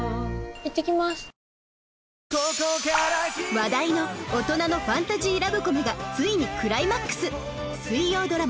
話題の大人のファンタジーラブコメがついにクライマックス